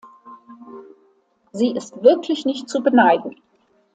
Sie ist wirklich nicht zu beneiden.